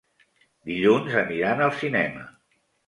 Dilluns aniran al cinema.